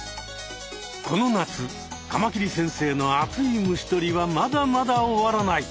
この夏カマキリ先生の熱い虫とりはまだまだ終わらない。